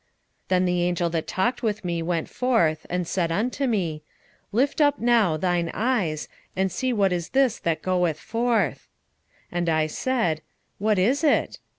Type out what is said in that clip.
5:5 Then the angel that talked with me went forth, and said unto me, Lift up now thine eyes, and see what is this that goeth forth. 5:6 And I said, What is it?